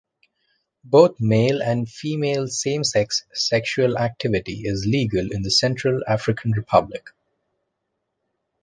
Both male and female same-sex sexual activity is legal in the Central African Republic.